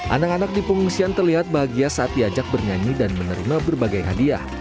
anak anak di pengungsian terlihat bahagia saat diajak bernyanyi dan menerima berbagai hadiah